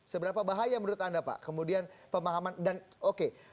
seberapa bahaya menurut anda pak kemudian pemahaman dan oke